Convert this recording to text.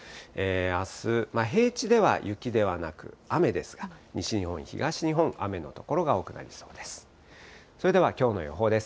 あす、平地では雪ではなく雨ですが、西日本、東日本、雨の所が多くなりそうです。